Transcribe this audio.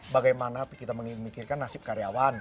bagaimana kita memikirkan nasib karyawan